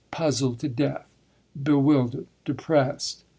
"Puzzled to death bewildered depressed!"